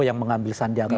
yang mengambil sandiaga